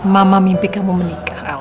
mama mimpi kamu mencari mbak